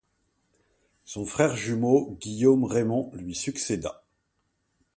Son frère jumeau, Guillaume-Raymond lui succéda.